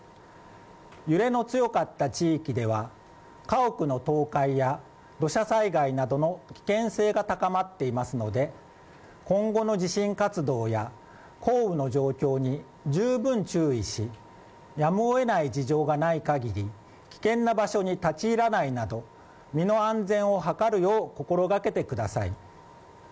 揺れの強かった地域では家屋の倒壊や土砂災害などの危険性が高まっていますので今後の地震活動や降雨の状況に十分注意しやむをえない状況がない限り、危険な場所に立ち入らないなど、身の安全を図るよう心がけてください。